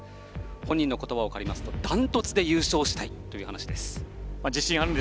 本人の言葉を借りますとダントツで優勝したいという話。